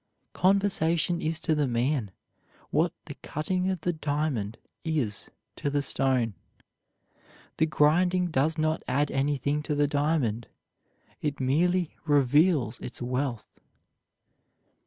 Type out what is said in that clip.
Conversation is to the man what the cutting of the diamond is to the stone. The grinding does not add anything to the diamond. It merely reveals its wealth.